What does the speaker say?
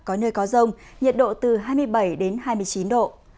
có nơi có rông nhiệt độ từ hai mươi bảy đến hai mươi chín độ